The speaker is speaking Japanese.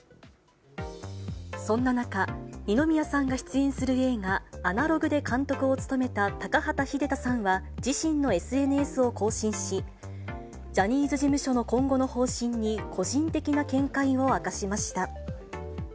そんな中、二宮さんが出演する映画、アナログで監督を務めたタカハタ秀太さんは、自身のＳＮＳを更新し、ジャニーズ事務所の今後の方針に、個人的な見解を明かしました。